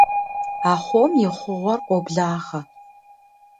Ахъом и хъугъуэр къоблагъэ.